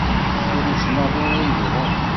Drus maḍi ara yebɣun.